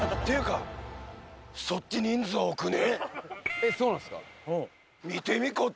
えっそうなんすか？